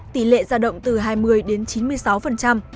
tỷ lệ ra động từ hai mươi đến chín mươi sáu